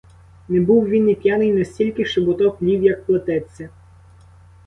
Не був він і п'яний настільки, щоб ото плів, як плететься.